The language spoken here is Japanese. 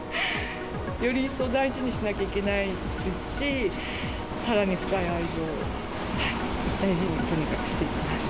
より一層、大事にしなきゃいけないですし、さらに深い愛情で大事にとにかくしていきます。